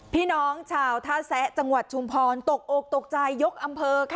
พี่น้องชาวท่าแซะจังหวัดชุมพรตกอกตกใจยกอำเภอค่ะ